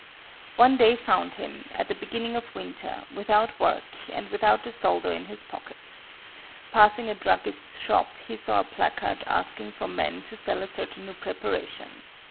One day found him, at the beginning of winter, without work, and without a soldo in his pocket. Passing a druggist's shop, he saw a placard asking for men to sell a certain new preparation.